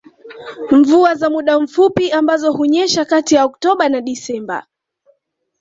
Mvua za muda mfupi ambazo hunyesha kati ya Oktoba na Desemba